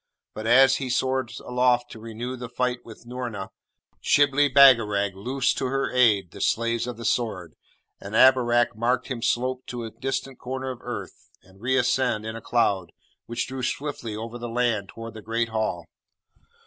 But, as he soared aloft to renew the fight with Noorna, Shibli Bagarag loosed to her aid the Slaves of the Sword, and Abarak marked him slope to a distant corner of earth, and reascend in a cloud, which drew swiftly over the land toward the Great Hall.